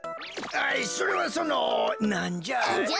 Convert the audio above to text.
それはそのなんじゃ。